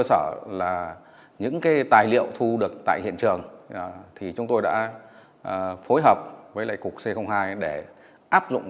cho những số tài liệu thu được tại hiện trường